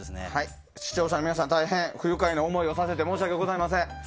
視聴者の皆さん大変不愉快な思いをさせて申し訳ございません。